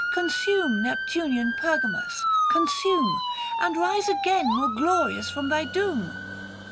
Consume Neptunian Pergamus, consume, And rise again more glorious from thy doom.